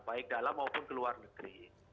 baik dalam maupun ke luar negeri